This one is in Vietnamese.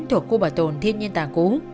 thuộc khu bà tồn thiên nhiên tà cú